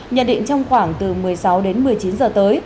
nhận định trong khoảng từ một mươi sáu đến một mươi chín giờ tới